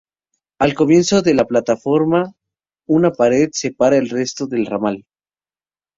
Al comienzo de la plataforma, una pared separa el resto del ramal.